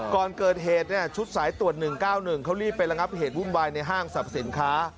ก่อนเกิดเหตุชุดสายตรวจ๑๙๑เขารีบไประงับเหตุวุ่นวายในห้างสรรพสินค้า